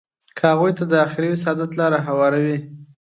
که هغوی ته د اخروي سعادت لاره هواروي.